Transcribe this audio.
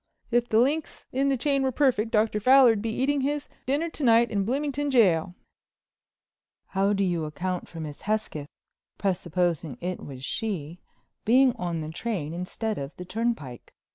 "If the links in the chain were perfect Dr. Fowler'd be eating his dinner to night in Bloomington Jail." "How do you account for Miss Hesketh—presupposing it was she—being on the train instead of the turnpike?"